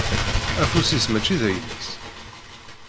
Afus-is mačči d ayla-s.